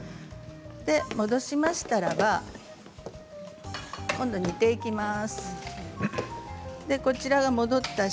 戻しましたらば煮ていきます。